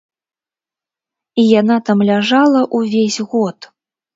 І яна там ляжала ўвесь год.